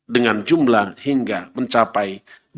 dengan jumlah hingga mencapai